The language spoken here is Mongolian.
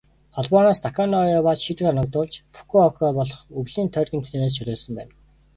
Холбооноос Таканоивад шийтгэл оногдуулж, Фүкүокад болох өвлийн тойргийн тэмцээнээс чөлөөлсөн байна.